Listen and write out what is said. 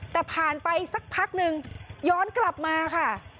แต่ผ่านไปสักพักนึงย้อนกลับมาค่ะ